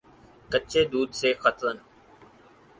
کچے دودھ سے خطرن